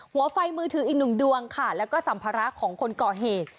หัวไฟมือถืออีกหนึ่งดวงค่ะแล้วก็สัมภาระของคนก่อเหตุ